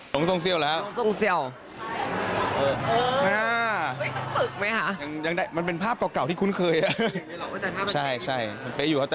พี่เต๊อัพเดทก็หล่อคุณแม่ก็สวย